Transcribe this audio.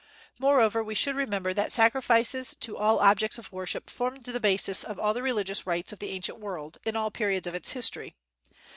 Moreover, we should remember that sacrifices to all objects of worship formed the basis of all the religious rites of the ancient world, in all periods of its history.